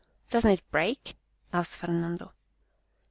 Doesn't it break ?" asked Fernando.